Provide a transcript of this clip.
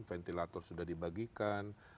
ventilator sudah dibagikan